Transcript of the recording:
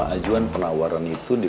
dadah udah hari segitu ya